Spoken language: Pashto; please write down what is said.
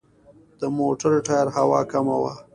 د موټر ټایر هوا کمه وه.